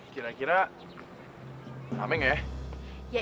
kira kira rame gak ya